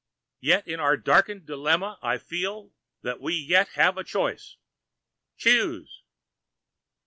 Yet in our darkened dilemma I feel that we yet have a choice. Choose!"